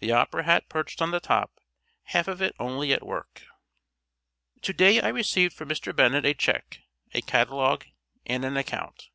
The opera hat perched on the top, half of it only at work. To day I received from Mr. Bennett a cheque, a catalogue and an account.